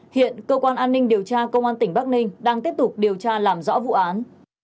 hiện cơ quan an ninh điều tra công an tỉnh bắc ninh đang tiếp tục điều tra làm rõ vụ án